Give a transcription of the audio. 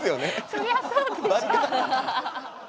そりゃそうでしょう。